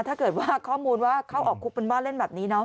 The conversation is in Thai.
ถ้าเกิดว่าข้อมูลว่าเข้าออกคุกเป็นว่าเล่นแบบนี้เนาะ